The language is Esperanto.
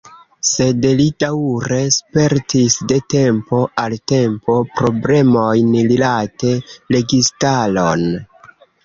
Sed li daŭre spertis, de tempo al tempo, problemojn rilate registaron.